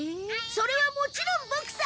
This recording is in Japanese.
それはもちろんボクさ！